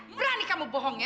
berani kamu bohong ya